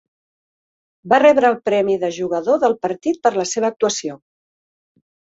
Va rebre el premi de jugador del partit per la seva actuació.